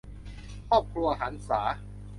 ครอบครัวหรรษา